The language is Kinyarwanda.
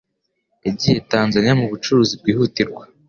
Yagiye Tanzania mubucuruzi bwihutirwa.